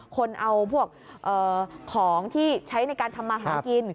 คนเอาพวกของที่ใช้ในการทำมาหากิน